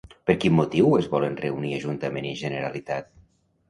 Per quin motiu es volen reunir Ajuntament i Generalitat?